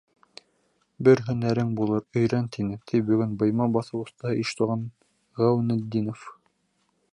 Бер һөнәрең булыр, өйрән, тине, — ти бөгөн быйма баҫыу оҫтаһы Иштуған Ғәүнетдинов.